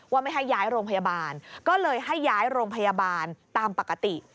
ไม่ให้ย้ายโรงพยาบาลก็เลยให้ย้ายโรงพยาบาลตามปกติ